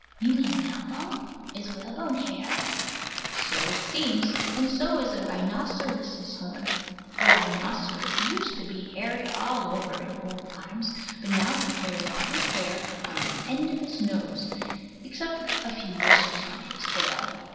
You mean whalebone? Is whalebone hair? So it seems. And so is a rhinoceros's horn. A rhinoceros used to be hairy all over in old times: but now he carries all his hair on the end of his nose, except a few bristles on his tail.